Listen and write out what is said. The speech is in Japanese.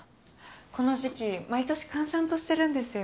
この時期毎年閑散としてるんですよ。